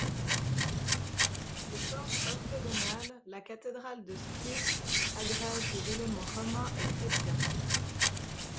De forme octogonale, la cathédrale de Split agrège des éléments romains et chrétiens.